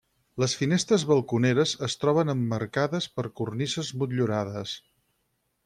Les finestres balconeres es troben emmarcades per cornises motllurades.